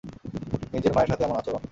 নিজের মায়ের সাথে এমন আচরণ।